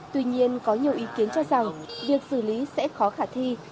tuy nhiên có nhiều ý kiến cho rằng việc xử lý sẽ khó khả thi